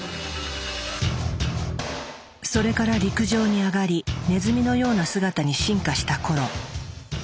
それから陸上に上がりネズミのような姿に進化した頃。